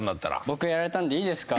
僕言われたんでいいですか？